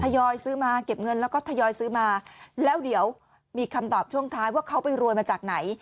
ยอยซื้อมาเก็บเงินแล้วก็ทยอยซื้อมาแล้วเดี๋ยวมีคำตอบช่วงท้ายว่าเขาไปรวยมาจากไหน